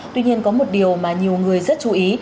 tuy nhiên có một điều mà nhiều người rất chú ý